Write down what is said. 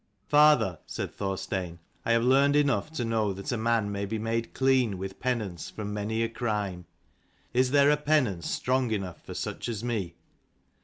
" Father," said Thorstein, " I have learned enough to know that a man may be made clean with penance from many a crime. Is there a penance strong enough for such as me?"